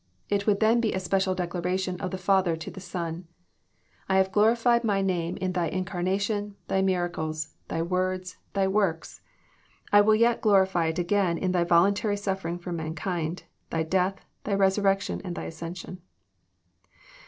It would then be a special declaration of the Father to the Son :I have glorified my name in Thy incarna tion, Thy miracles, Thy words, Thy works. I will yet glorify it again in Thy voluntary suffering for mankind, Thy death, Thy resurrection, and Thy ascension."